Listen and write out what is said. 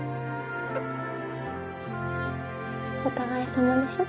お互いさまでしょ。